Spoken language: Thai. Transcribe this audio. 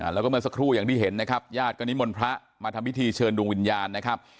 แล้วก็เมื่อสักครู่อย่างที่เห็นนะครับญาติก็นิมนต์พระมาทำพิธีเชิญดวงวิญญาณนะครับ